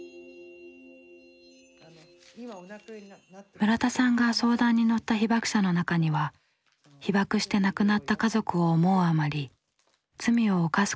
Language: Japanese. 村田さんが相談に乗った被爆者の中には被爆して亡くなった家族を思うあまり罪を犯すことになった男性もいました。